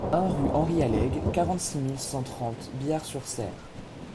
un rue Henri Alleg, quarante-six mille cent trente Biars-sur-Cère